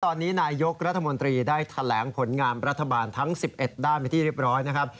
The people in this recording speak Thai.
ตอนนี้นายยกรัฐมนตรีได้แถลงผลงามรัฐบาลทั้ง๑๑ด้านไปที่เรียบร้อยนะครับ